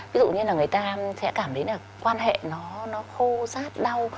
ví dụ như là người ta sẽ cảm thấy là quan hệ nó khô rát đau